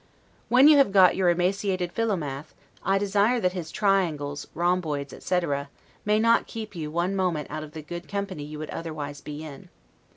When you have got your emaciated Philomath, I desire that his triangles, rhomboids, etc., may not keep you one moment out of the good company you would otherwise be in.